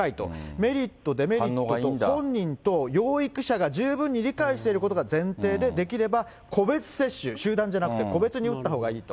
メリット、デメリットを本人と養育者が十分に理解していることが前提で、できれば個別接種、集団じゃなくて、個別に打ったほうがいいと。